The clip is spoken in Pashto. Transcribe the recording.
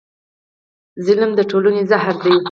ظلم د ټولنې زهر دی.